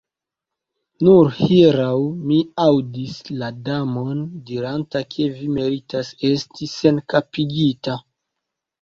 Nur hieraŭ mi aŭdis la Damon diranta ke vi meritas esti senkapigita.